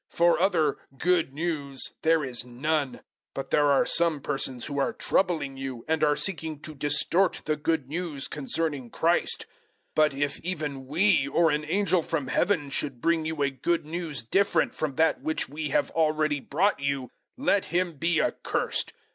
001:007 For other "Good News" there is none; but there are some persons who are troubling you, and are seeking to distort the Good News concerning Christ. 001:008 But if even we or an angel from Heaven should bring you a Good News different from that which we have already brought you, let him be accursed.